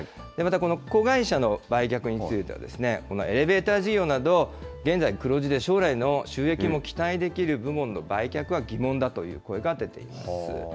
またこの子会社の売却については、エレベーター事業など、現在、黒字で将来の収益も期待できる部門の売却は疑問だという声が出ています。